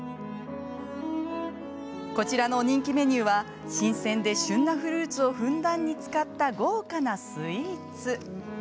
こちらの人気メニューは新鮮で旬なフルーツをふんだんに使った豪華なスイーツ。